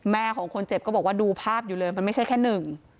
ของคนเจ็บก็บอกว่าดูภาพอยู่เลยมันไม่ใช่แค่หนึ่ง